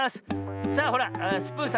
さあほらスプーンさん